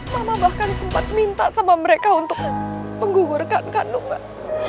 mama bahkan sempat minta sama mereka untuk menggugurkan kandungan